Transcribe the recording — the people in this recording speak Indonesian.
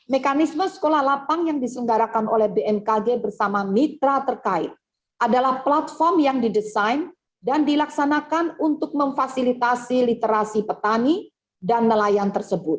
mekanisme sekolah lapang yang diselenggarakan oleh bmkg bersama mitra terkait adalah platform yang didesain dan dilaksanakan untuk memfasilitasi literasi petani dan nelayan tersebut